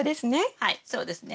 はいそうですね。